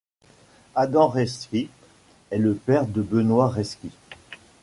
Adam Rayski est le père de Benoît Rayski.